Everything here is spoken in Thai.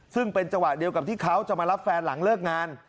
ซึ่งเป็นจังหวะเดียวกับที่เขาจะมารับแฟนหลังเลิกงาน